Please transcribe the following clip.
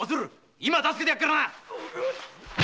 今助けてやるからな！